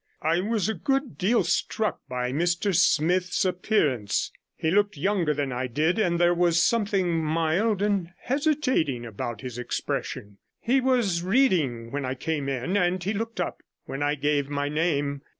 I was a good deal struck by Mr Smith is appearance; he looked younger than I did, and there was something mild and hesitating about his expression. He was reading when I came in, and he looked up when I gave my name.